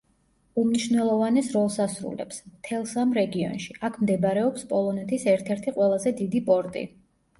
უმნიშვნელოვანეს როლს ასრულებს, მთელს ამ რეგიონში, აქ მდებარეობს პოლონეთის ერთ-ერთი ყველაზე დიდი პორტი.